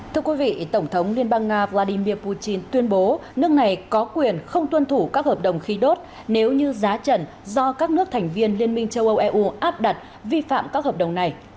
thưa quý vị tổng thống liên bang nga vladimir putin tuyên bố nước này có quyền không tuân thủ các hợp đồng khí đốt nếu như giá trần do các nước thành viên liên minh châu âu eu áp đặt vi phạm các hợp đồng này